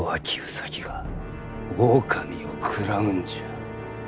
兎が狼を食らうんじゃ。